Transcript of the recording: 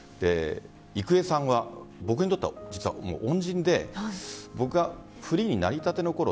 郁恵さんは僕にとっては実は恩人で僕がフリーになりたてのころ